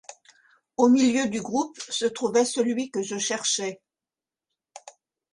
Au milieu du groupe se trouvait celui que je cherchais.